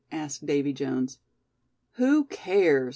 asked Davy Jones. "Who cares?"